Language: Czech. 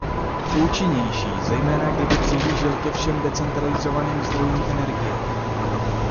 Účinnější, zejména kdyby přihlížel ke všem decentralizovaným zdrojům energie.